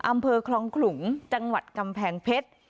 อำเภอคลองขลุงจังหวัดกำแพงเพชร